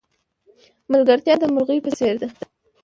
ملگرتیا د مرغی په څېر ده.